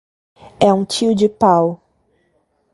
É um tio de pau.